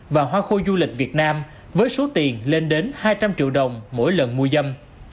và hoa khôi du lịch việt nam với số tiền lên đến hai trăm linh triệu đồng mỗi lần mô giới mại dâm